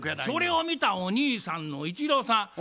それを見たお兄さんの一郎さん